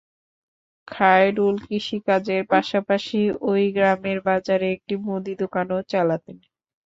খায়রুল কৃষিকাজের পাশাপাশি ওই গ্রামের বাজারে একটি মুদি দোকানও চালাতেন।